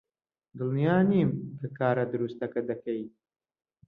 دڵنیا نیم کە کارە دروستەکە دەکەین.